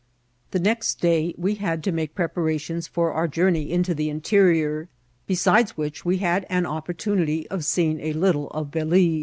The next day we had to make preparations for our journey into the interior, besides which we had an opportunity of seeing a little of Balize.